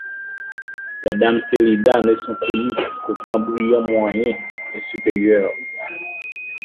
Les Damesellidae ne sont connus qu'au Cambrien moyen et supérieur.